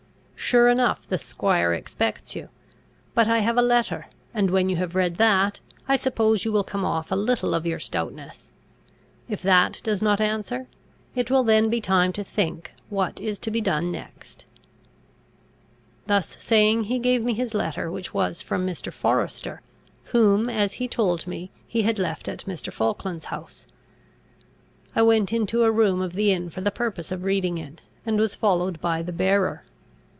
Sure enough the squire expects you; but I have a letter, and when you have read that, I suppose you will come off a little of your stoutness. If that does not answer, it will then be time to think what is to be done next." Thus saying, he gave me his letter, which was from Mr. Forester, whom, as he told me, he had left at Mr. Falkland's house. I went into a room of the inn for the purpose of reading it, and was followed by the bearer.